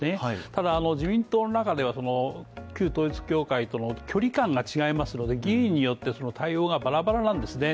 ただ、自民党の中では旧統一教会との距離感が違いますので議員によって対応がバラバラなんですね。